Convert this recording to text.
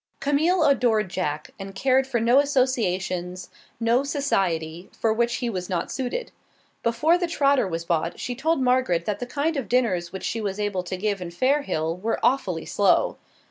Camille adored Jack, and cared for no associations, no society, for which he was not suited. Before the trotter was bought she told Margaret that the kind of dinners which she was able to give in Fairhill were awfully slow.